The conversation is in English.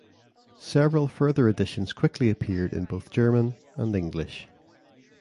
Several further editions quickly appeared in both German and English.